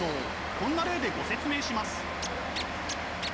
こんな例でご説明します。